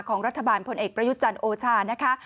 ของรัฐบาลพลเอกประยุจันทร์โอชานะคะ